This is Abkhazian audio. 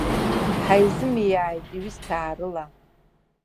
Ҳаизымиааит ҩысҭаарыла.